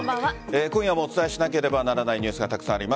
今夜もお伝えしなければならないニュースがたくさんあります。